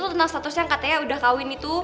lo tentang statusnya yang katanya udah kawin itu